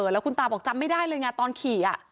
แล้วคุณตาบอกจำไม่ได้เลยไงตอนขี่